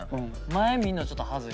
前見んのちょっと恥ずいのよね。